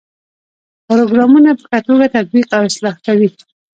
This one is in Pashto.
پروګرامونه په ښه توګه تطبیق او اصلاح کوي.